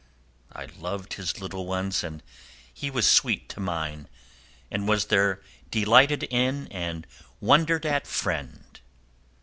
I loved his little ones and he was sweet to mine and was their delighted in and wondered at friend.